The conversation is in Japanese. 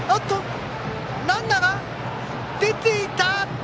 ランナーが出ていたか？